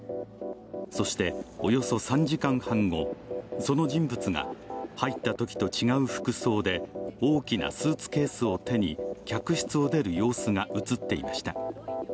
そして、およそ３時間半後その人物が入ったときと違う服装で大きなスーツケースを手に客室を出る様子が映っていました。